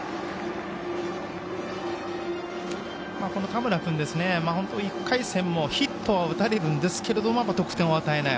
田村君、本当に１回戦もヒットは打たれるんですけども得点を与えない。